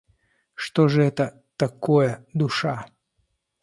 Что же это такое душа?